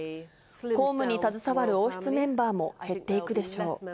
公務に携わる王室メンバーも減っていくでしょう。